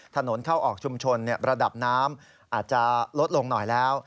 ถนนเข้าออกชุมชนระดับน้ำอาจจะลดลงหน่อยแล้ว